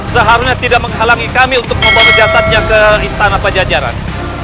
seharusnya tidak menghalangi kami untuk membawa jasadnya ke istana pajajaran